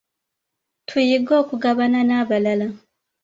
Tuyige okugabana n'abalala.